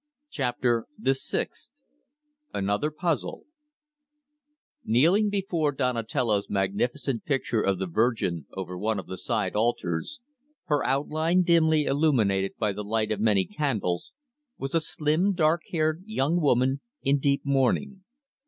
CHAPTER THE SIXTH ANOTHER PUZZLE Kneeling before Donatello's magnificent picture of the Virgin over one of the side altars, her outline dimly illuminated by the light of many candles, was a slim, dark haired young woman in deep mourning.